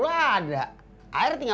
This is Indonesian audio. loh apa ini